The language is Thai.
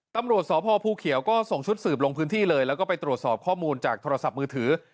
ตำรวจสพภูเขียวก็ส่งชุดสืบลงพื้นที่เลยแล้วก็ไปตรวจสอบข้อมูลจากโทรศัพท์มือถือ